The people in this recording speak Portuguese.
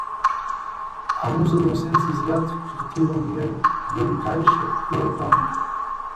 Alguns adolescentes asiáticos retiram dinheiro de um caixa eletrônico.